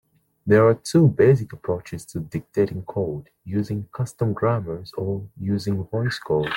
There are two basic approaches to dictating code: using custom grammars or using VoiceCode.